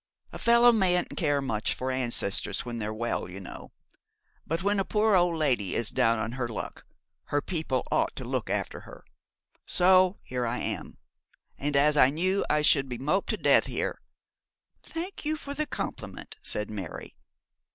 A fellow mayn't care much for ancestors when they're well, you know; but when a poor old lady is down on her luck, her people ought to look after her. So, here I am; and as I knew I should be moped to death here ' 'Thank you for the compliment,' said Mary.